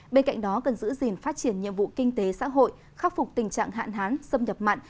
bên cạnh đó cần giữ gìn phát triển nhiệm vụ kinh tế xã hội khắc phục tình trạng hạn hán xâm nhập mặn